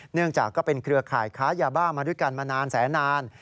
เนื่องจากก็เป็นเครือข่ายค้ายาบ้ามาด้วยกันมานานแสนนาน